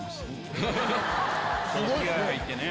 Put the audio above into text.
気合入ってね。